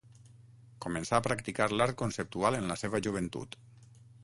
Començà a practicar l'art conceptual en la seva joventut.